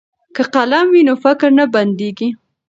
که قلم وي نو فکر نه بندیږي.